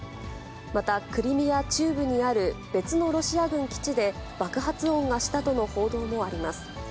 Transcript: また、クリミア中部にある別のロシア軍基地で爆発音がしたとの報道もあります。